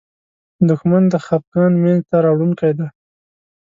دښمن د خپګان مینځ ته راوړونکی دی